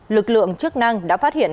lực lượng chức năng đã phát hiện